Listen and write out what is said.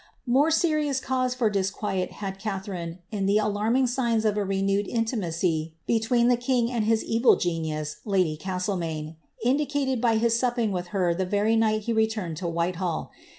More serious cause for disquiet had Catharine in the alarming sigm of a renewed intimacy between the king and his evil genius, lady Castle maine, indicated by his supping with her the very night he returned to Whitehall.